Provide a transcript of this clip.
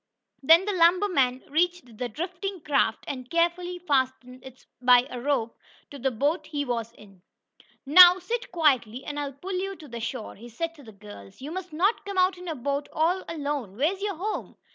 Then the lumber man reached the drifting craft, and carefully fastened it by a rope to the boat he was in. "Now sit quietly and I'll pull you to shore," he said to the girls. "You must not come out in a boat all alone. Where is your home?"